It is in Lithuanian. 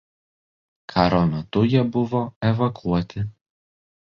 Karo metu jie buvo evakuoti.